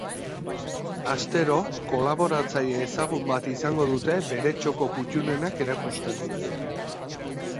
Astero, kolaboratzaile ezagun bat izango dute bere txoko kuttunenak erakusten.